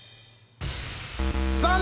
残念！